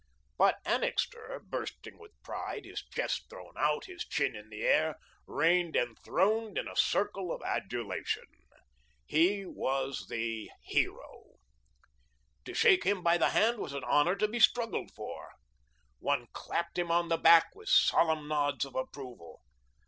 But Annixter, bursting with pride, his chest thrown out, his chin in the air, reigned enthroned in a circle of adulation. He was the Hero. To shake him by the hand was an honour to be struggled for. One clapped him on the back with solemn nods of approval.